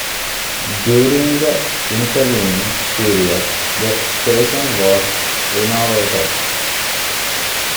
During the intervening period, the station was renovated.